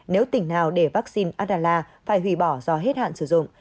nếu tỉnh nào để vắc xin adela phải hủy bỏ do hết hạn sử dụng